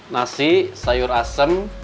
nasi sayur asem